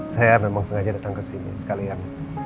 saya memang sengaja datang kesini sekalian